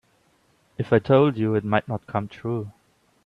If I told you it might not come true.